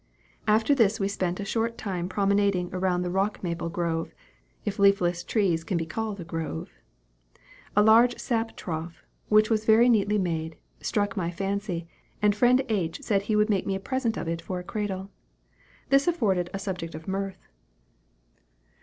After this we spent a short time promenading around the rock maple grove, if leafless trees can be called a grove. A large sap trough, which was very neatly made, struck my fancy, and friend H. said he would make me a present of it for a cradle. This afforded a subject for mirth.